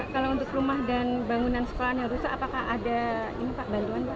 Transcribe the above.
kalau untuk rumah dan bangunan sekolahan yang rusak apakah ada ini pak bantuan pak